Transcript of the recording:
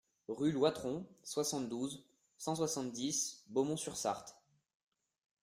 Rue Louatron, soixante-douze, cent soixante-dix Beaumont-sur-Sarthe